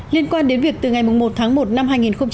liên quan đến việc từ ngày một tháng một năm hai nghìn một mươi bảy